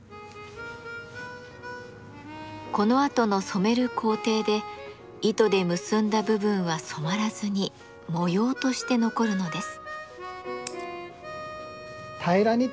このあとの染める工程で糸で結んだ部分は染まらずに模様として残るのです。